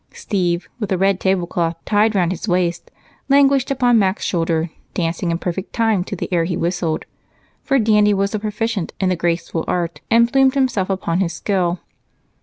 Steve, with a red tablecloth tied around his waist, languished upon Mac's shoulder, dancing in perfect time to the air he whistled, for Dandy was proficient in the graceful art and plumed himself upon his skill.